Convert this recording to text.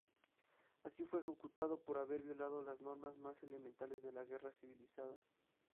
Así, fue ejecutado por haber violado las normas más elementales de la "guerra civilizada".